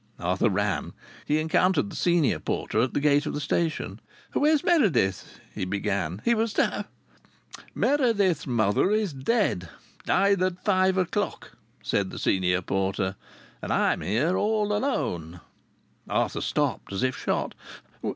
Arthur ran. He encountered the senior porter at the gate of the station. "Where's Merrith?" he began. "He was to have " "Merrith's mother is dead died at five o'clock," said the senior porter. "And I'm here all alone." Arthur stopped as if shot.